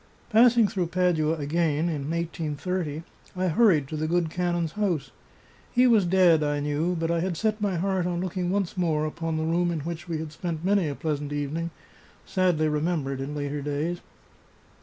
Passing through Padua again, in 1830, I hurried to the good canon's house. He was dead, I knew, but I had set my heart on looking once more upon the room in which we had spent many a pleasant evening, sadly remembered in later days.